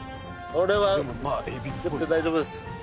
これは大丈夫です。